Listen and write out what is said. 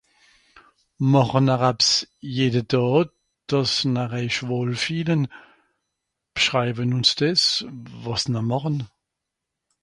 màche nr abs jeder Daa dàss nr eich wòll fielen b'schraiwen ùns des wàs nr màchen